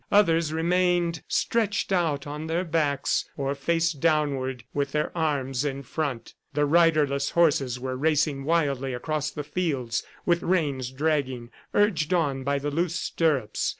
Others remained stretched out on their backs or face downward with their arms in front. The riderless horses were racing wildly across the fields with reins dragging, urged on by the loose stirrups.